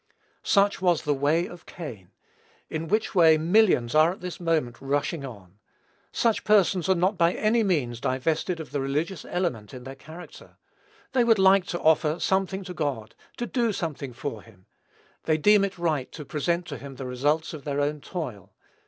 Such was "the way of Cain," in which way millions are at this moment rushing on. Such persons are not by any means divested of the religious element in their character. They would like to offer something to God; to do something for him. They deem it right to present to him the results of their own toil.